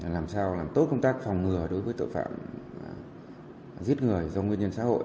làm sao làm tốt công tác phòng ngừa đối với tội phạm giết người do nguyên nhân xã hội